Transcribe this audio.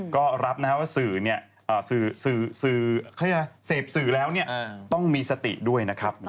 ก็รับว่าเสบสื่อแล้วต้องมีสติด้วย